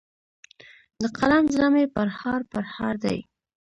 د قلم زړه مي پرهار پرهار دی